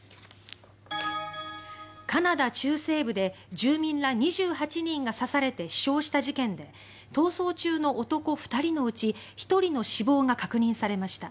カナダ中西部で住民ら２８人が刺されて死傷した事件で逃走中の男２人のうち１人の死亡が確認されました。